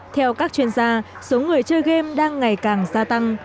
theo các chuyên gia số người chơi game đang ngày càng gia tăng